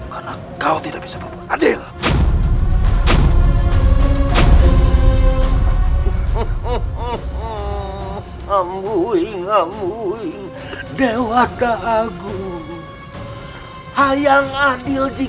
karena kau tidak bisa berbuat adil